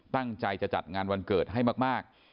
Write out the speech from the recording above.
ตั้งใจจะจัดงานวันเกิดให้มาก